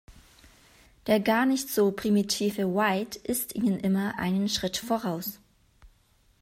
Der gar nicht so primitive White ist ihnen immer einen Schritt voraus.